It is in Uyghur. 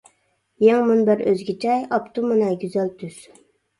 يېڭى مۇنبەر ئۆزگىچە، ئاپتۇ مانا گۈزەل تۈس.